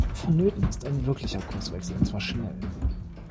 Vonnöten ist ein wirklicher Kurswechsel, und zwar schnell.